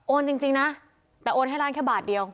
จริงนะแต่โอนให้ร้านแค่บาทเดียว